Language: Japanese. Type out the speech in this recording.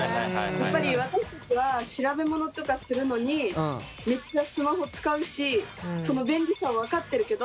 やっぱり私たちは調べ物とかするのにめっちゃスマホ使うしその便利さを分かってるけど。